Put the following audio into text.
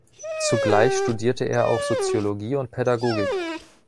Zugleich studierte er auch Soziologie und Pädagogik.